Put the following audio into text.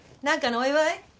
何かのお祝い？